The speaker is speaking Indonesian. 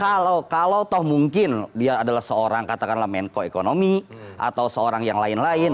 kalau toh mungkin dia adalah seorang katakanlah menko ekonomi atau seorang yang lain lain